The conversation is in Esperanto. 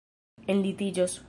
enlitiĝos